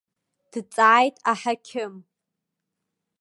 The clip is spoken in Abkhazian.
Дҵааит аҳақьым.